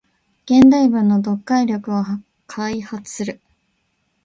現代文の読解力を開発する